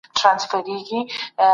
روښانه فکر ناامیدي نه خپروي.